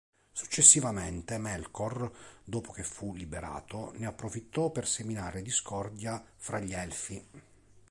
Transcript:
Successivamente, Melkor, dopo che fu liberato, ne approfittò per seminare discordia fra gli Elfi.